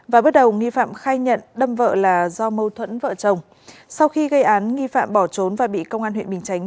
và bước đầu nghi phạm khai nhận đâm vợ là do mâu thuẫn vợ chồng sau khi gây án nghi phạm bỏ trốn và bị công an huyện bình chánh